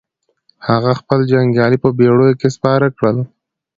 هغه خپل جنګيالي په بېړيو کې سپاره کړل.